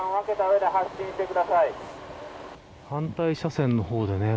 反対車線の方でね